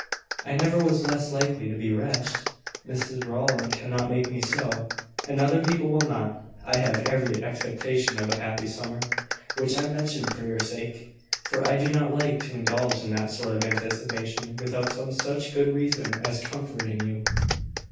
"I never was less likely to be wretched. Mrs Rowland cannot make me so, and other people will not. I have every expectation of a happy summer, which I mention for your sake; for I do not like to indulge in that sort of anticipation without some such good reason as comforting you."